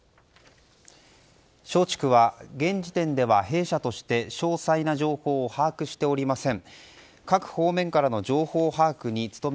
松竹は、現時点では弊社として詳細な情報を把握しておりません。